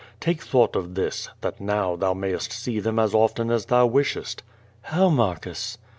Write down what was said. Take thought of this, that now thou mayest see them as often as thou wishest." "How, Marcus?"